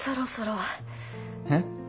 えっ！